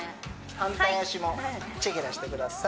反対足もチェケラしてください